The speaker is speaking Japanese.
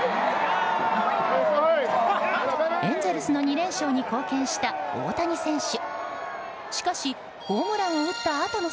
エンゼルスの２連勝に貢献した大谷選手。